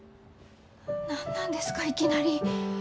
何なんですかいきなり。